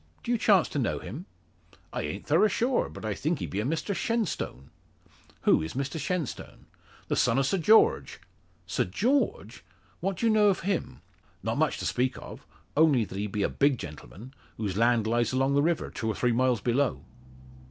Do you chance to know him?" "I ain't thorough sure; but I think he be a Mr Shenstone." "Who is Mr Shenstone?" "The son o' Sir George." "Sir George! What do you know of him?" "Not much to speak of only that he be a big gentleman, whose land lies along the river, two or three miles below."